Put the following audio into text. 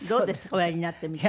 おやりになってみて。